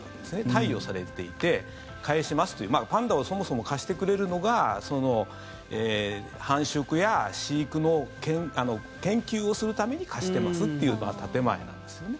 貸与されていて返しますというパンダをそもそも貸してくれるのが繁殖や飼育の研究をするために貸してますという建前なんですよね。